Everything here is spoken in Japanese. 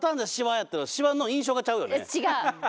違う！